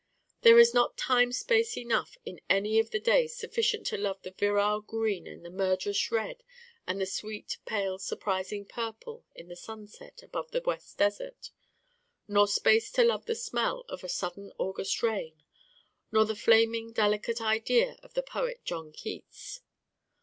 There is not time space enough in any of the days sufficient to love the virile green and the murderous red and the sweet pale surprising purple in the sunset above the west desert: nor space to love the smell of a sudden August rain: nor the flaming delicate Idea of the poet John Keats.